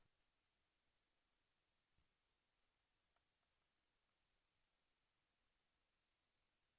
โปรดติดตามตอนต่อไป